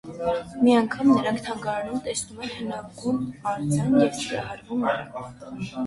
Մի անգամ նրանք թանգարանում տեսնում են հնագուն արձան և սիրահարվում նրան։